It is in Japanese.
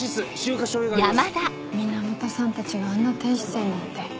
源さんたちがあんな低姿勢なんて。